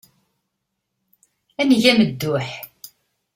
Ad neg amedduḥ.